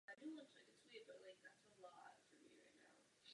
Verze Coupé zcela zmizela ze světa.